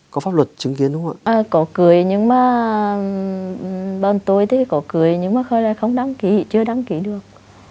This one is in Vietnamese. có cưới nhưng mà bọn tôi thì có cưới nhưng mà không đăng ký chưa đăng ký được